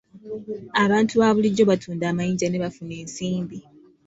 Abantu ba bulijjo batunda amayinja ne bafuna ensimbi.